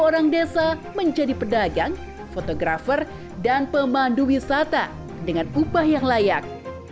orang desa menjadi pedagang fotografer dan pemandu wisata dengan upah yang layak